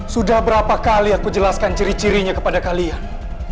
sudah berapa kali aku jelaskan ciri cirinya kepada kalian